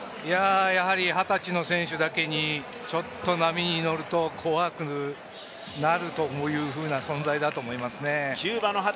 やはり二十歳の選手だけにちょっと波に乗ると怖くなるという存在だと思いますね。